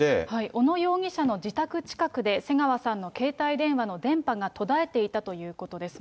小野容疑者の自宅近くで、瀬川さんの携帯電話の電波が途絶えていたということです。